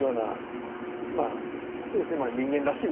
まあ要するに人間らしいなと。